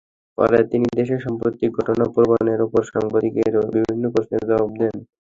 পরে তিনি দেশের সাম্প্রতিক ঘটনাপ্রবাহের ওপর সাংবাদিকদের বিভিন্ন প্রশ্নের জবাব দেন।